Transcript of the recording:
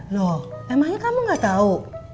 loh emangnya kamu gak tahu